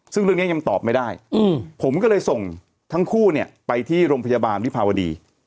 ซึ่งเรื่องนี้ยังตอบไม่ได้ผมก็เลยส่งทั้งคู่เนี่ยไปที่โรงพยาบาลวิภาวดี